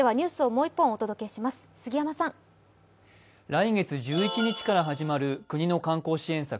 来月１１日から始まる国の観光支援策